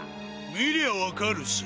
見りゃ分かるさ。